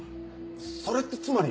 それってつまり。